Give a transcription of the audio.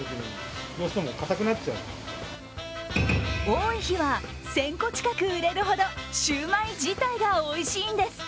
多い日は１０００個近く売れるほどシュウマイ自体がおいしいんです。